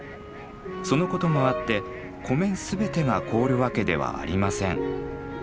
そのこともあって湖面全てが凍るわけではありません。